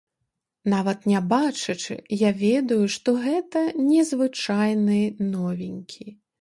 Нават не бачачы, я ведаю, што гэта не звычайны новенькі.